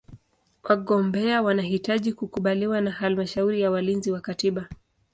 Wagombea wanahitaji kukubaliwa na Halmashauri ya Walinzi wa Katiba.